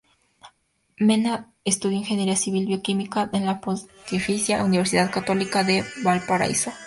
Mena estudió ingeniería civil bioquímica en la Pontificia Universidad Católica de Valparaíso.